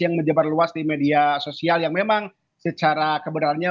yang menyebar luas di media sosial yang memang secara kebenarannya